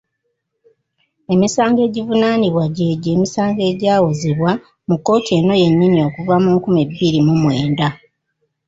Emisango egivunaanibwa gy'egyo emisango egyawozebwa mu kkooti eno yennyini okuva mu nkumi bbiri mu mwenda.